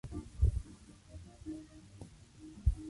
El acuerdo es resultado de dos años de negociaciones.